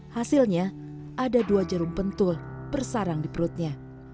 hasilnya ada dua jarum pentul bersarang di perutnya